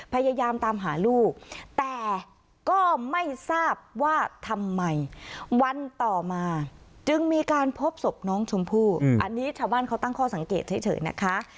พยายามตามหาลูกแต่ก็ไม่ทราบว่าทำไมวันต่อมาจึงมีการพบศพน้องชมพู่อันนี้ชาวบ้านเขาตั้งข้อสังเกตเฉยนะคะ